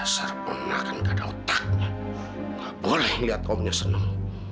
dasar punah kan gada otaknya nggak boleh liat omnya senang